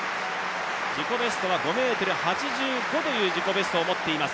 自己ベストは５ｍ８５という自己ベストを持っています。